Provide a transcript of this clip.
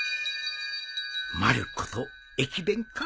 まる子と駅弁か